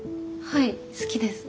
はい好きです。